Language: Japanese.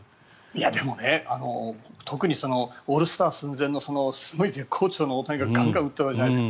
でも、特にオールスター寸前のすごい絶好調の大谷がガンガン打っているわけじゃないですか。